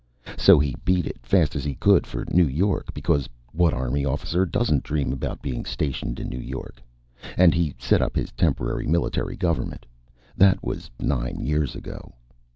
So he beat it, fast as he could, for New York, because what Army officer doesn't dream about being stationed in New York? And he set up his Temporary Military Government and that was nine years ago.